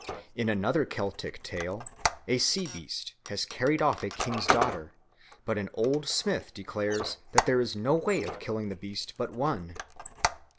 In another Celtic tale, a sea beast has carried off a king's daughter, and an old smith declares that there is no way of killing the beast but one.